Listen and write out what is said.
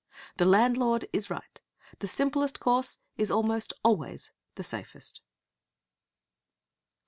The landlord is right. The simplest course is almost always the safest.